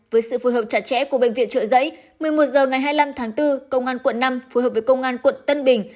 với sự phù hợp chặt chẽ của bệnh viện trợ giấy một mươi một h ngày hai mươi năm tháng bốn công an quận năm phối hợp với công an quận tân bình